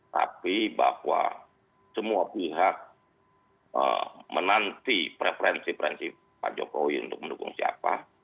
tapi bahwa semua pihak menanti preferensi preferensi pak jokowi untuk mendukung siapa